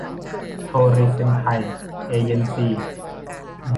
โทรีเซนไทย เอเยนต์ซีส์